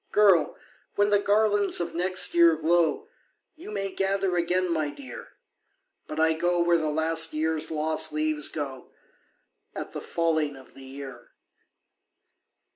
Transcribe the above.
Girl! when the garlands of next year glow, YOU may gather again, my dear But I go where the last year's lost leaves go At the falling of the year."